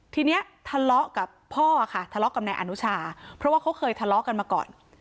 ทีนี้ทะเลาะกับพ่อค่ะทะเลาะกับนายอนุชาเพราะว่าเขาเคยทะเลาะกันมาก่อน